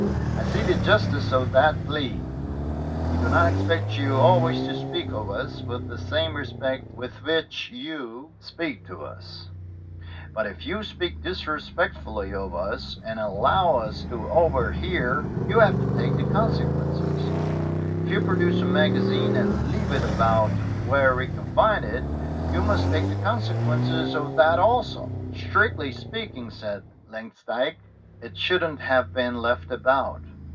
I see the justice of that plea. We do not expect you always to speak of us with the same respect with which you 236 STORIES WITHOUT TEARS speak to us, but if you speak disrespectfully of us and allow us to overhear, you have to take the conse quences. If you produce a magazine and leave it about where we can find it, you must take the con sequences of that also." "Strictly speaking," said Langsdyke, "it shouldn't have been left about.